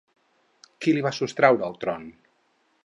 Qui li va sostreure el tron?